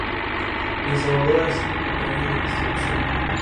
En El Salvador hay cinco compañías de distribución.